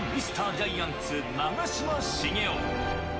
ジャイアンツ、長嶋茂雄。